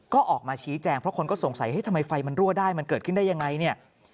ก็ออกมาชี้แจงเพราะคนก็สงสัยทำไมไฟมันรั่วได้มันเกิดขึ้นได้ยังไงเนี่ย